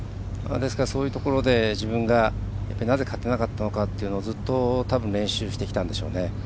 そういうところで自分がなぜ勝てなかったというのを考えながらずっと、たぶん練習してきたんでしょうね。